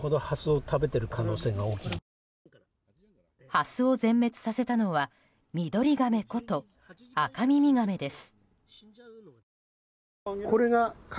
ハスを全滅させたのはミドリガメことアカミミガメです。